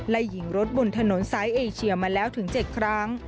หญิงรถบนถนนซ้ายเอเชียมาแล้วถึง๗ครั้ง